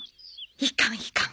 いかんいかん。